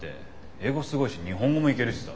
英語すごいし日本語もいけるしさ。